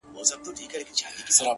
• خو پر زړه مي سپين دسمال د چا د ياد،